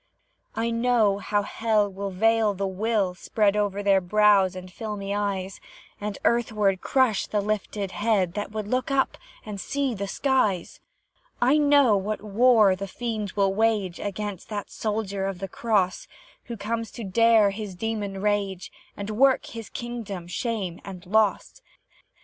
I know how Hell the veil will spread Over their brows and filmy eyes, And earthward crush the lifted head That would look up and seek the skies; I know what war the fiend will wage Against that soldier of the Cross, Who comes to dare his demon rage, And work his kingdom shame and loss.